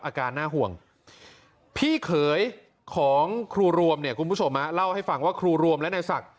อาการน่าห่วงพี่เขยของครูรวมเนี่ยคุณผู้ชมเล่าให้ฟังว่าครูรวมและนายศักดิ